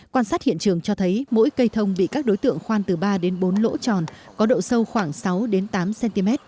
quan sát hiện trường cho thấy mỗi cây thông bị các đối tượng khoan từ ba đến bốn lỗ tròn có độ sâu khoảng sáu tám cm